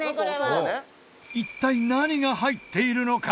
一体何が入っているのか？